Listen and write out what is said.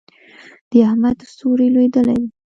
د احمد ستوری لوېدلی دی.